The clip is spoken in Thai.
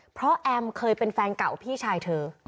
เพราะแอมเคยเป็นแฟนเก่าพี่ชายเธอ